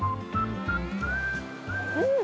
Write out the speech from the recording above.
うん！